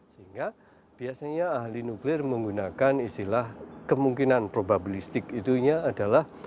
sehingga biasanya ahli nuklir menggunakan istilah kemungkinan probabilistik itunya adalah